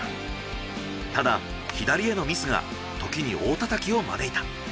ただ左へのミスがときに大たたきを招いた。